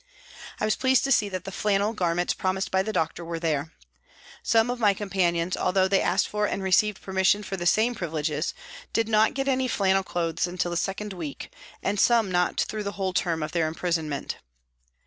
I was pleased to see that the flannel garments promised by the doctor were there. Some of my companions, although they asked for and received permission for the same privilege, did not get any flannel clothes until the second week, and some not through the whole term 78 PRISONS AND PRISONERS of their imprisonment.